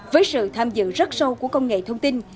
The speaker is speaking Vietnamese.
với sự tham dự rất sâu của công nghệ thông tin